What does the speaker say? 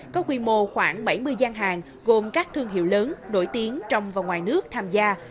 có quy mô khoảng bảy mươi gian hàng gồm các thương hiệu lớn nổi tiếng trong và ngoài nước tham gia